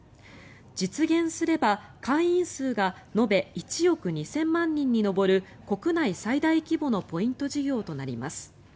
実現すれば、会員数が延べ１億２０００万人に上る国際最大規模のポイント事業となります。